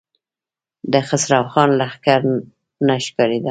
د خسرو خان لښکر نه ښکارېده.